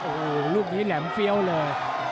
โอ้โหลูกนี้แหลมเฟี้ยวเลย